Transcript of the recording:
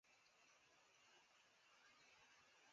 katika kuutatua kutokana na rangi ya watu wa Tigrinya